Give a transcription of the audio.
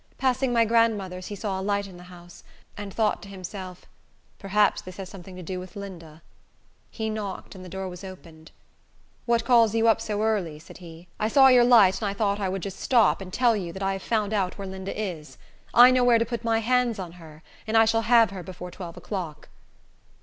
Passing my grandmother's, he saw a light in the house, and thought to himself, "Perhaps this has something to do with Linda." He knocked, and the door was opened. "What calls you up so early?" said he. "I saw your light, and I thought I would just stop and tell you that I have found out where Linda is. I know where to put my hands on her, and I shall have her before twelve o'clock."